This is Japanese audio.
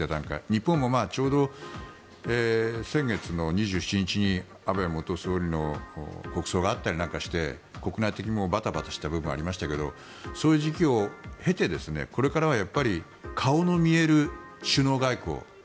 日本もちょうど今月の２７日に安倍元総理の国葬があったりなんかして国内的にもバタバタした部分はありましたがそういう時期を経てこれからは顔の見える首脳外交。